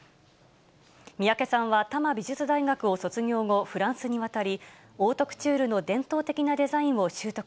三宅さんは、多摩美術大学を卒業後、フランスに渡り、オートクチュールの伝統的なデザインを習得